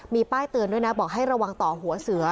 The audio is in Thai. มีป้ายเตือนด้วยนะบอกให้ระวังต่อหัวเสือ